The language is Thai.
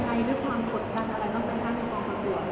มีร้องไห้อย่างไรหรือความหดดังอะไรต่างของคุณครับหรือ